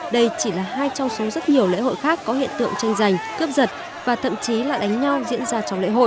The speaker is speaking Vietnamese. đây chỉ là hai trong số rất nhiều lễ hội khác có hiện tượng tranh giành cướp giật và thậm chí là đánh nhau diễn ra trong lễ hội